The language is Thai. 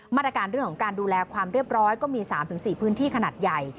มาตรการเรื่องของการดูแลความเรียบร้อยก็มี๓๔พื้นที่ขนาดใหญ่